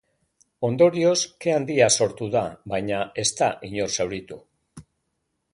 Ondorioz, ke handia sortu da, baina ez da inor zauritu.